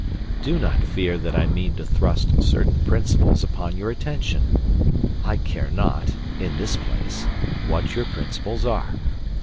Do not fear that I mean to thrust certain principles upon your attention. I care not (in this place) what your principles are.